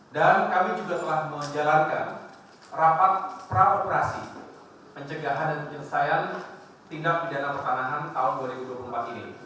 dan kami juga telah menjalankan rapat praoperasi pencegahan dan penyelesaian tindak bidana pertanahan tahun dua ribu dua puluh empat ini